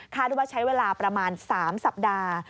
ว่าใช้เวลาประมาณ๓สัปดาห์